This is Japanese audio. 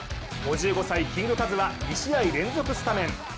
５５歳・キングカズは２試合連続スタメン。